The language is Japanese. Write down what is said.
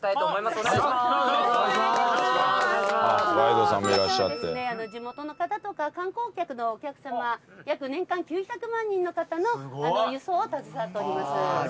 この会社はですね地元の方とか観光客のお客様約年間９００万人の方の輸送を携わっております。